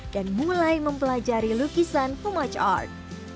dan mulai mempelajari lukisan humaj art